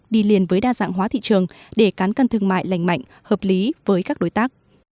đi liền với đa dạng hóa thị trường để cán cân thương mại lành mạnh hợp lý với các đối tác